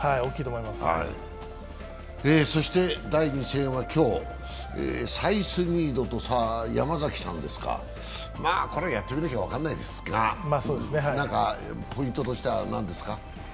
そして第２戦は今日サイスニードと山崎さんですか、やってみないと分からないですがポイントとしては何ですか？